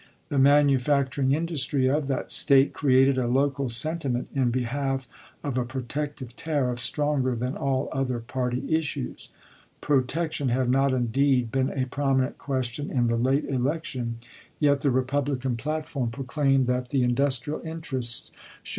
The manufacturing industry of that State created a local sentiment in behalf of a protective tariff stronger than all other party issues. Pro tection had not, indeed, been a prominent question in the late election, yet the Eepublican platform LINCOLN'S CABINET 355 proclaimed that the " industrial interests " should ch.